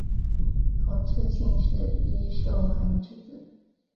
同治进士尹寿衡之子。